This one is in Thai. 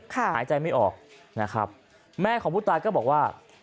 หายใจไม่ออกนะครับแม่ของผู้ตายก็บอกว่า